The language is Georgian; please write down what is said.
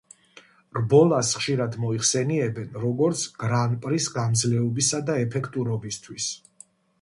რბოლას ხშირად მოიხსენიებენ როგორც „გრან-პრის გამძლეობისა და ეფექტურობისთვის“.